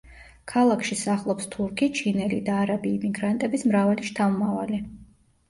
ქალაქში სახლობს თურქი, ჩინელი და არაბი იმიგრანტების მრავალი შთამომავალი.